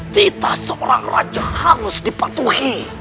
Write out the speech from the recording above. cita seorang raja harus dipatuhi